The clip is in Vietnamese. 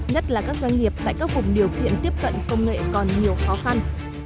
nhất là các doanh nghiệp tại các vùng điều kiện tiếp cận công nghệ còn nhiều khó khăn